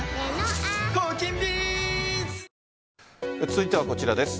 続いてはこちらです。